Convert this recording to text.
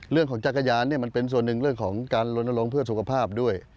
เรื่องของจักรยานมันเป็นส่วนหนึ่งเรื่องของการลนลงเพื่อสุขภาพด้วย